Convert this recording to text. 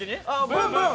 ブンブン。